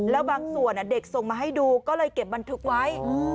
แล้วบางส่วนเด็กส่งมาให้ดูก็เลยเก็บบันทึกไว้